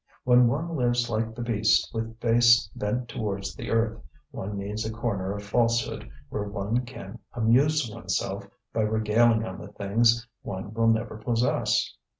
When one lives like the beasts with face bent towards the earth, one needs a corner of falsehood where one can amuse oneself by regaling on the things one will never possess.